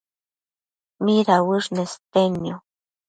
midauësh nestednio?